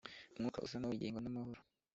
Umwuka uzana ubugingo n’amahoro